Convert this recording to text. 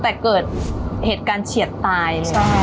แต่เหตุการณ์เฉียบตาย